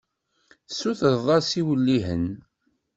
Sutreɣ-as iwellihen.